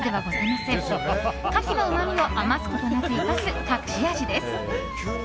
カキのうまみを余すことなく生かす隠し味。